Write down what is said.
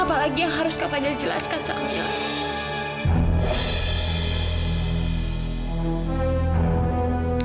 apalagi yang harus kak fadil jelaskan sama mila